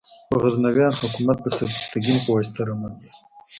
خو غزنویان حکومت د سبکتګین په واسطه رامنځته شو.